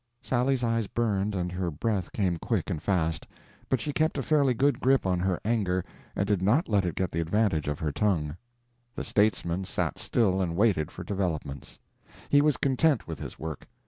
Sally's eyes burned and her breath came quick and fast, but she kept a fairly good grip on her anger and did not let it get the advantage of her tongue. The statesman sat still and waited for developments. He was content with his work.